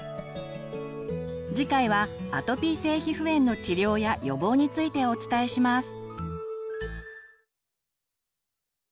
次回はアトピー性皮膚炎の治療や予防についてお伝えします。